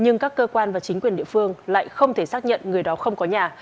nhưng các cơ quan và chính quyền địa phương lại không thể xác nhận người đó không có nhà